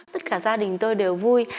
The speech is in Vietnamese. tất cả gia đình tôi đều vui